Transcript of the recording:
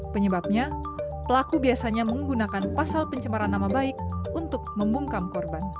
penyebabnya pelaku biasanya menggunakan pasal pencemaran nama baik untuk membungkam korban